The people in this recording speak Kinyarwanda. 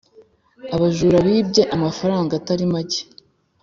Abajura bibye amafaranga Atari macye